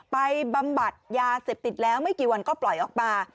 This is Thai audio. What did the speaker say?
บำบัดยาเสพติดแล้วไม่กี่วันก็ปล่อยออกมา